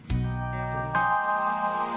itu pakai stamu